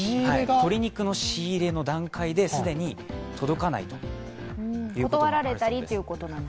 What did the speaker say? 鶏肉の仕入れの段階で既に届かないということだそうです。